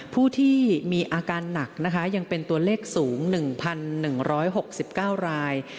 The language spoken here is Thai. ผู้ที่มีอาการหนักนะคะยังเป็นตัวเลขสูง๑๑๖๙ราย